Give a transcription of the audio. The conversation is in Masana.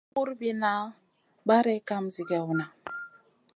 Sigar ma ŋurbiya barey kam zigèwna.